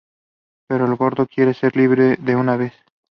The boat is no longer in production.